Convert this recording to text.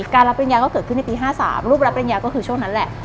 รับปริญญาก็เกิดขึ้นในปี๕๓รูปรับปริญญาก็คือช่วงนั้นแหละ